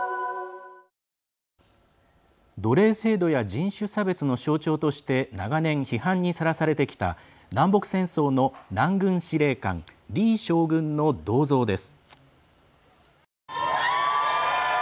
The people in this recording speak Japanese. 奴隷制度や人種差別の象徴として長年、批判にさらされてきた南北戦争の南軍司令官リー将軍の銅像です。